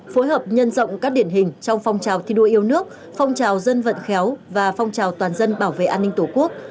phối hợp nhân rộng các điển hình trong phong trào thi đua yêu nước phong trào dân vận khéo và phong trào toàn dân bảo vệ an ninh tổ quốc